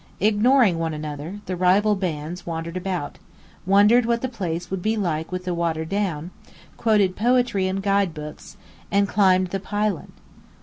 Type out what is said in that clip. Ignoring one another, the rival bands wandered about, wondered what the place would be like with the water "down," quoted poetry and guide books, and climbed the pylon.